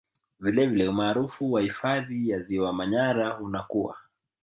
Vilevile umaarufu wa hifadhi ya Ziwa Manyara unakua